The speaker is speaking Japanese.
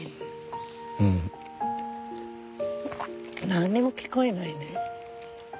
何にも聞こえないね。